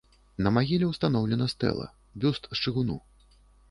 На магіле ўстаноўлена стэла, бюст з чыгуну.